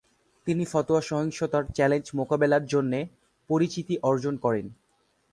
তিনি ফতোয়া সহিংসতার চ্যালেঞ্জ মোকাবেলার জন্যে পরিচিতি অর্জন করেন।